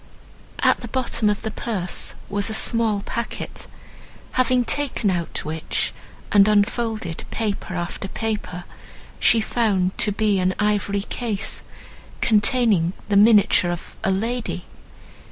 At the bottom of the purse was a small packet, having taken out which, and unfolded paper after paper, she found to be an ivory case, containing the miniature of a—lady!